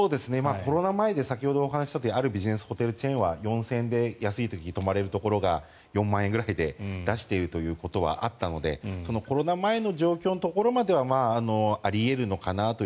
コロナ前で、先ほど話したあるビジネスホテルチェーンは４０００円で安い時泊まれるところが４万円で出しているということはあったのでコロナ前の状況のところまではあり得るのかなと。